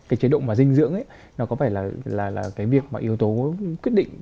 cái chế độ mà dinh dưỡng ấy nó có vẻ là cái việc mà yếu tố quyết định